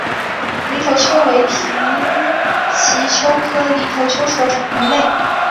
犁头鳅为平鳍鳅科犁头鳅属的鱼类。